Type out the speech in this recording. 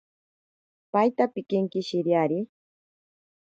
Paita pinkinkishiriari.